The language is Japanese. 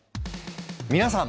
皆さん！